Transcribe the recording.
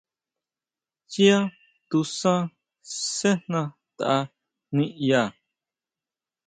Yá tusan sejna tʼa niʼya.